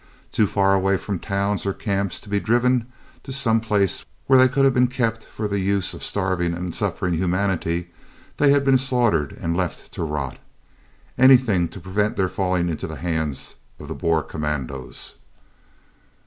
Too far away from towns or camps to be driven to some place where they could have been kept for the use of starving and suffering humanity, they had been slaughtered and left to rot anything to prevent their falling into the hands of the Boer commandos.